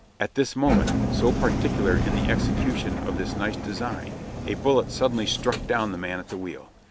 At this moment, so particular in the execution of this nice design, a bullet suddenly struck down the man at the wheel.